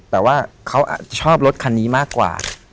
แต่ว่าเขาชอบรถคันนี้มากกว่า